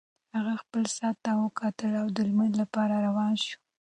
هغه خپل ساعت ته وکتل او د لمانځه لپاره روان شو.